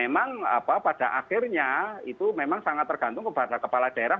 masyarakat kepala daerah